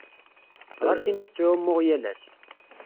Ɣas in-as ttεummuɣ yal ass.